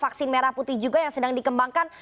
vaksin merah putih juga yang sedang dikembangkan